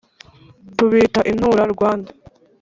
tubita intura rwanda